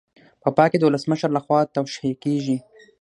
په پای کې د ولسمشر لخوا توشیح کیږي.